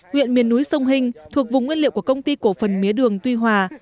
huyện miền núi sông hình thuộc vùng nguyên liệu của công ty cổ phần mía đường tuy hòa